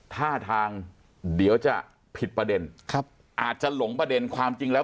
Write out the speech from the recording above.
ท่าทางเดี๋ยวจะผิดประเด็นครับอาจจะหลงประเด็นความจริงแล้ว